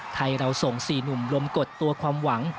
ใครเราทรงสี่หนุ่มลมกดตัวความหวัง